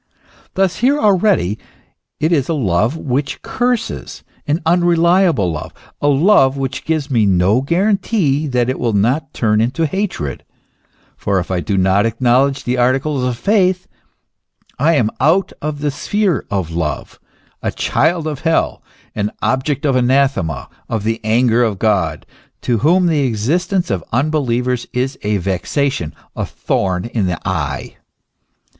Thus here already it is a love which curses, an unreliable love, a love which gives me no guarantee that it will not turn into hatred; for if I do not acknow ledge the articles of faith I am out of the sphere of love, a child of hell, an object of anathema, of the anger of God, to whom the existence of unbelievers is a vexation, a thorn in the eye.